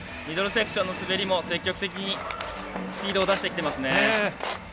ミドルセクションの滑りも積極的にスピードを出してきていますね。